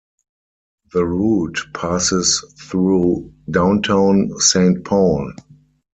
The route passes through downtown Saint Paul.